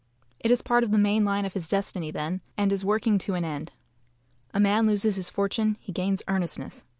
It is part of the main line of his destiny then, and is working to an end. A man loses his fortune; he gains earnestness.